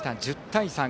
１０対３。